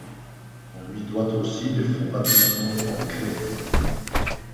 On lui doit aussi les fonts baptismaux en grès.